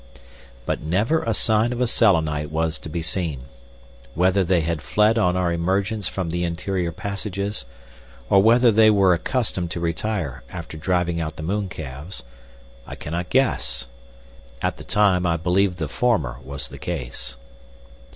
But never a sign of a Selenite was to be seen. Whether they had fled on our emergence from the interior passages, or whether they were accustomed to retire after driving out the mooncalves, I cannot guess. At the time I believed the former was the case.